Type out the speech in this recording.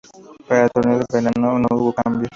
Para el torneo de Verano no hubo cambios.